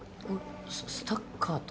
ススタッカート？